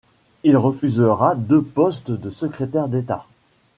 Il refusera deux postes de secrétaires d'État.